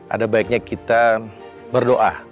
ada baiknya kita berdoa